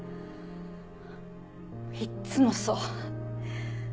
いつもそう。